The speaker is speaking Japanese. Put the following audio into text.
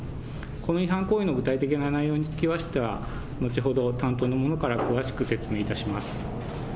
この違反行為の具体的な内容につきましては、後ほど担当の者から詳しく説明いたします。